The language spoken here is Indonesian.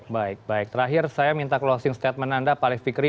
baik baik terakhir saya minta closing statement anda pak alif fikri